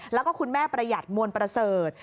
แล้วก็คุณแม่ประหยัดมวลประเสริฐ